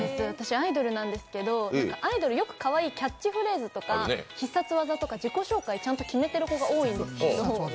アイドル、よくかわいいキャッチフレーズとか必殺技とか自己紹介、ちゃんと決めている子が多いんですよ。